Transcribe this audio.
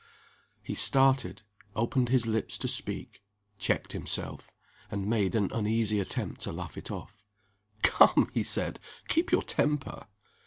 He started opened his lips to speak checked himself and made an uneasy attempt to laugh it off. "Come!" he said, "keep your temper."